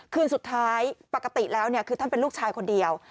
คืนสุดท้ายปกติแล้วคือท่านเป็นลูกชายคนเดียว